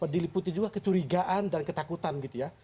diliputi juga kecurigaan dan ketakutan gitu ya